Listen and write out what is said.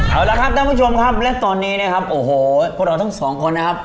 เอาละครับท่านผู้ชมครับและตอนนี้นะครับโอ้โหพวกเราทั้งสองคนนะครับ